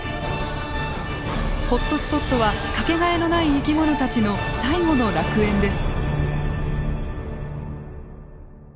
ホットスポットは掛けがえのない生き物たちの最後の楽園です。